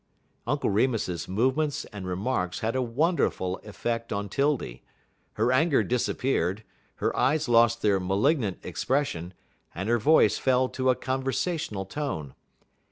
Uncle Remus's movements and remarks had a wonderful effect on 'Tildy. Her anger disappeared, her eyes lost their malignant expression, and her voice fell to a conversational tone.